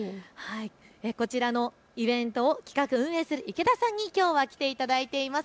こちらのイベントを企画、運営する池田さんにきょうは来ていただいています。